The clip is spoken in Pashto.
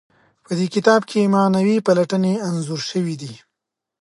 په دې کتاب کې معنوي پلټنې انځور شوي دي.